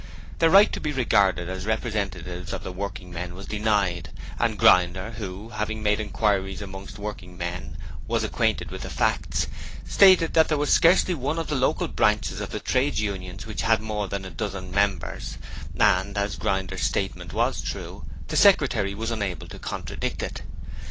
Their right to be regarded as representatives of the working men was denied, and Grinder, who, having made inquiries amongst working men, was acquainted with the facts, stated that there was scarcely one of the local branches of the trades unions which had more than a dozen members; and as Grinder's statement was true, the Secretary was unable to contradict it.